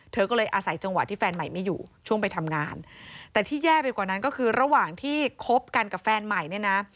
เธอก็เลยอาศัยจังหวะที่แฟนใหม่ไม่อยู่ช่วงไปทำงานแต่ที่แย่ไปกว่านั้นก็คือระหว่างที่คบกันกับแฟนใหม่เนี่ยนะ